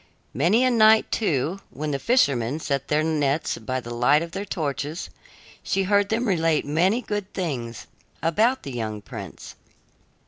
Many a night, too, when the fishermen set their nets by the light of their torches, she heard them relate many good things about the young prince.